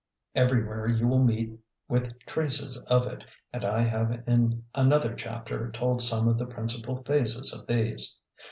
Everywhere you will meet with traces of it, and I have in another chapter told some of the principal phases of these.